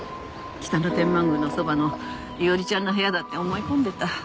北野天満宮のそばの伊織ちゃんの部屋だって思い込んでた。